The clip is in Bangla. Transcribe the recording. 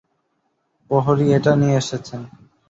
প্রহরী এটা নিয়ে এসেছেন।